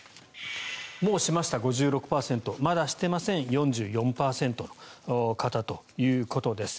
もうしました、５６％まだしてません、４４％の方ということです。